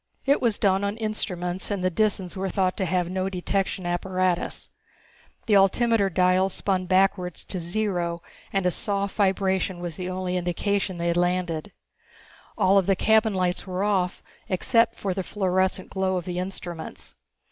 It was done on instruments, and the Disans were thought to have no detection apparatus. The altimeter dials spun backwards to zero and a soft vibration was the only indication they had landed. All of the cabin lights were off except for the fluorescent glow of the instruments.